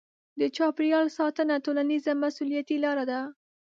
د چاپیریال ساتنه ټولنیزه مسوولیتي لاره ده.